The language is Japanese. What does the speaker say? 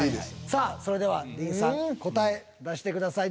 さあそれではディーンさん答え出してください。